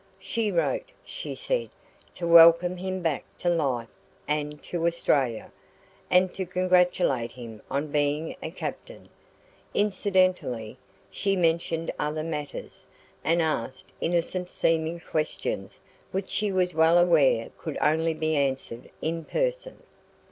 She wrote, she said, to welcome him back to life and to Australia, and to congratulate him on being a captain; incidentally she mentioned other matters, and asked innocent seeming questions which she was well aware could only be answered in person.